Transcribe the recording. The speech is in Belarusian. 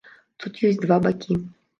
Тут ёсць два бакі.